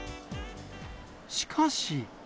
しかし。